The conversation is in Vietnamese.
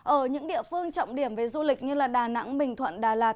ở những địa phương trọng điểm về du lịch như đà nẵng bình thuận đà lạt